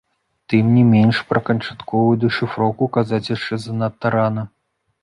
Тым не менш, пра канчатковую дэшыфроўку казаць яшчэ занадта рана.